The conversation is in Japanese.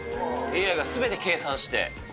ＡＩがすべて計算して。